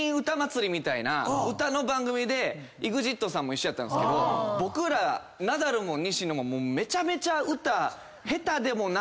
歌の番組でＥＸＩＴさんも一緒やったんですけど僕ら。めちゃめちゃ歌。